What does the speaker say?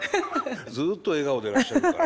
ずっと笑顔でいらっしゃるから。